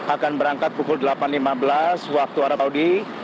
akan berangkat pukul delapan lima belas waktu arab saudi